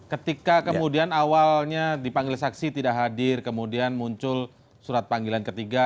ketika kemudian awalnya dipanggil saksi tidak hadir kemudian muncul surat panggilan ketiga